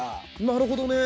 なるほどね。